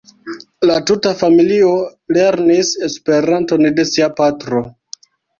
La tuta familio lernis Esperanton de sia patro.